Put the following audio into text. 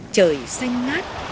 trời xanh ngát